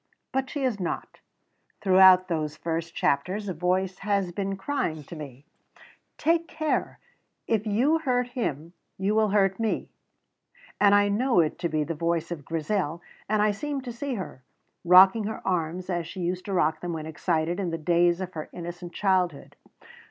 But she is not; throughout those first chapters a voice has been crying to me, "Take care; if you hurt him you will hurt me"; and I know it to be the voice of Grizel, and I seem to see her, rocking her arms as she used to rock them when excited in the days of her innocent childhood.